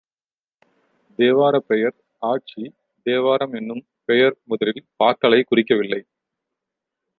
தேவாரப் பெயர் ஆட்சி தேவாரம் என்னும் பெயர் முதலில் பாக்களைக் குறிக்கவில்லை.